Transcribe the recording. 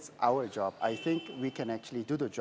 saya pikir kita bisa melakukan tugas